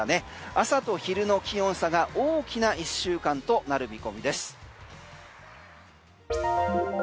朝と昼の気温差が大きな１週間となる見込みです。